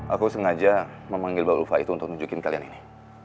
aku sengaja memanggil bawul fahid untuk nunjukin kalian ini